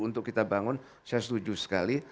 untuk kita bangun saya setuju sekali